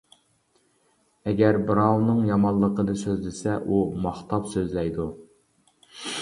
ئەگەر بىراۋنىڭ يامانلىقىنى سۆزلىسە، ئۇ ماختاپ سۆزلەيدۇ.